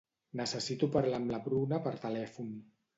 Necessito parlar amb la Bruna per telèfon.